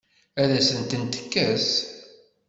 Ad asen-tent-tekkes?